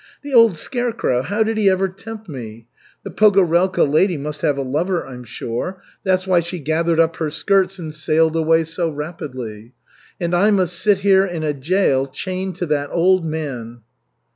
The old scarecrow, how did he ever tempt me? The Pogorelka lady must have a lover, I'm sure. That's why she gathered up her skirts and sailed away so rapidly. And I must sit here, in a jail, chained to that old man."